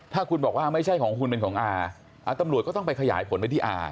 ถ้าคุณบอกว่าไม่ใช่ของคุณเป็นของอาตำรวจก็ต้องไปขยายผลไปที่อา